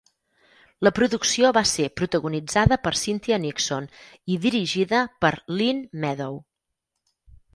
La producció va ser protagonitzada per Cynthia Nixon i dirigida per Lynne Meadow.